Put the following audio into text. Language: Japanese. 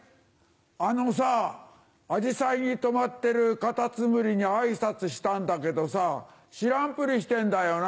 あのさアジサイに止まってるカタツムリに挨拶したんだけどさ知らんぷりしてんだよな。